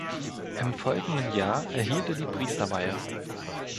Im folgenden Jahr erhielt er die Priesterweihe.